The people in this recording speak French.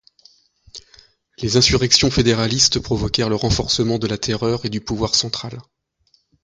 Les insurrections fédéralistes provoquèrent le renforcement de la Terreur et du pouvoir central.